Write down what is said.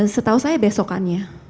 setahu saya besokannya